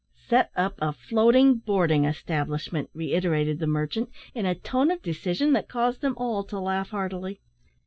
"Set up a floating boarding establishment," reiterated the merchant, in a tone of decision that caused them all to laugh heartily.